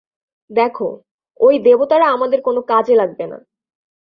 দেখো, ওই দেবতারা আমাদের কোনো কাজে লাগবে না।